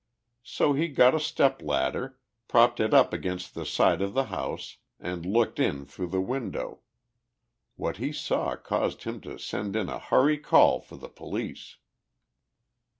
So he got a stepladder, propped it up against the side of the house, and looked in through the window. What he saw caused him to send in a hurry call for the police."